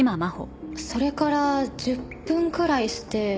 それから１０分くらいして。